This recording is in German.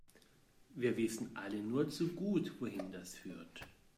Wir wissen alle nur zu gut, wohin das führt.